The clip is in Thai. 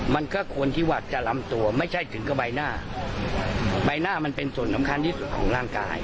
มันก็ควรที่ว่าจะลำตัวไม่ใช่ถึงกับใบหน้าใบหน้ามันเป็นส่วนสำคัญที่สุดของร่างกาย